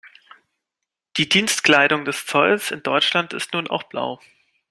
Die Dienstkleidung des Zolls in Deutschland ist nun auch blau.